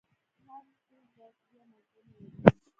هر سوک بيا مازغه نلري.